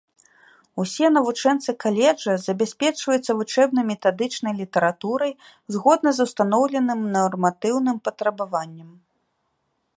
Усе навучэнцы каледжа забяспечваюцца вучэбна-метадычнай літаратурай згодна з устаноўленым нарматыўным патрабаванням.